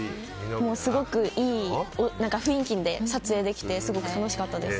すごくいい雰囲気で撮影できてすごく楽しかったです。